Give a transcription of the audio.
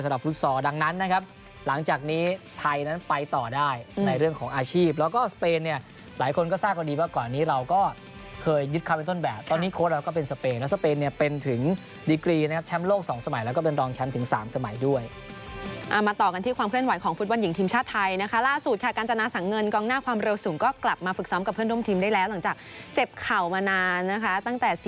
พูดถึงด้วยสำหรับฟุตซอร์ดังนั้นนะครับหลังจากนี้ไทยนั้นไปต่อได้ในเรื่องของอาชีพแล้วก็สเปนเนี่ยหลายคนก็ทราบกว่าดีว่าก่อนนี้เราก็เคยยึดคำเป็นต้นแบบตอนนี้โค้ดเราก็เป็นสเปนแล้วสเปนเนี่ยเป็นถึงดิกรีนะครับแชมป์โลกสองสมัยแล้วก็เป็นรองแชมป์ถึงสามสมัยด้วยอ่ามาต่อกันที่ความเคลื่อนไหวของ